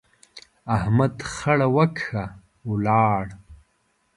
احمد خړه وکښه، ولاړ.